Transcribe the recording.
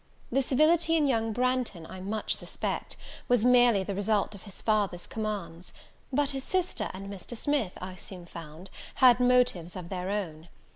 The civility in young Branghton, I much suspect, was merely the result of his father's commands; but his sister and Mr. Smith, I soon found, had motives of their own.